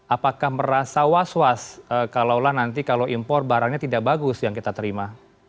apakah merasa was was kalaulah nanti kalau impor barangnya tidak bagus yang kita terima